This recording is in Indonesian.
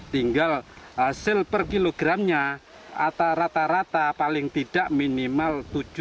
tinggal hasil per kilogramnya rata rata paling tidak minimal tujuh